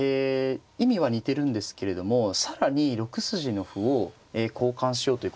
意味は似てるんですけれども更に６筋の歩を交換しようということですね。